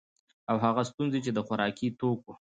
او هغه ستونزي چي د خوراکي توکو